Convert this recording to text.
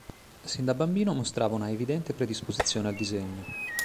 Sin da bambino mostrava una evidente predisposizione al disegno.